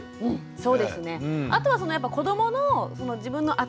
そうですね。